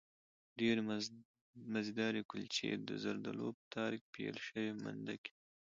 ډېرې مزهدارې کلچې، د زردالو په تار کې پېل شوې مندکې